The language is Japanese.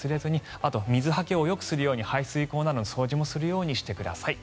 あとは水はけをよくするように排水溝などの掃除もするようにしてください。